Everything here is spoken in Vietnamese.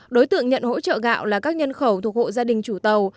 đối tượng nhận hỗ trợ gạo là các nhân khẩu thuộc hộ gia đình chủ tàu